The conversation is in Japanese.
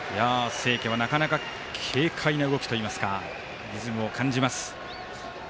清家はなかなか軽快な動きといいますかリズムを感じます。